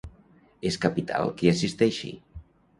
És capital que hi assisteixi.